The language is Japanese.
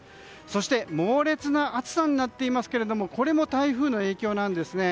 そして猛烈な暑さになっていますがこれも台風の影響なんです。